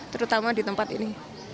terutama di tempat ini